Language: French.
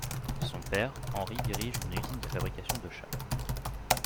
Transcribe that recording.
Son père, Henry dirige une usine de fabrication de châles.